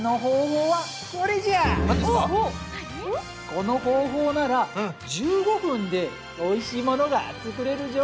この方法なら１５分でおいしいものが作れるぞ。